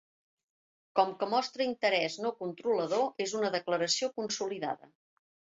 Com que mostra interès no controlador, és una declaració consolidada.